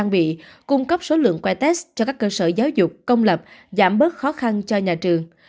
bị cung cấp số lượng quay test cho các cơ sở giáo dục công lập giảm bớt khó khăn cho nhà trường